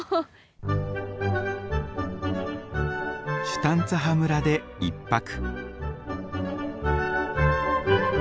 シュタンツァハ村で１泊。